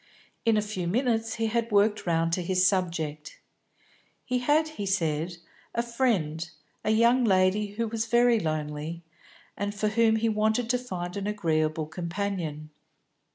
In a few minutes he had worked round to his subject. He had, he said, a friend, a young lady who was very lonely, and for whom he wanted to find an agreeable companion.